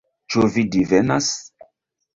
Ĉu vi divenas?